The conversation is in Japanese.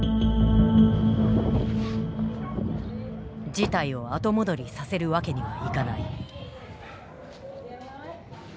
事態を後戻りさせるわけにはいかない。